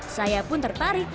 saya pun tertarik